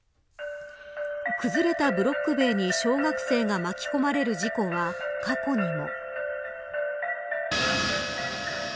崩れたブロック塀に小学生が巻き込まれる事故は過去にも。